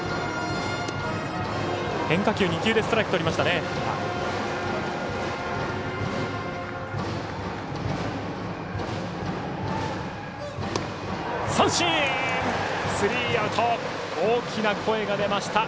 変化球２球でストライクとりましたね。